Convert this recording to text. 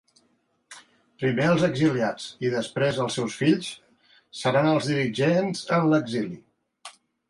Primer els exiliats, i després els seus fills, seran els dirigents en l'exili.